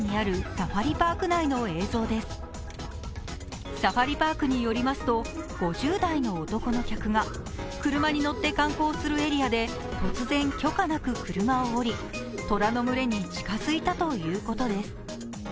サファリパークによりますと、５０代の男の客が車に乗って観光するエリアで突然、許可なく車を降り、虎の群れに近づいたということです。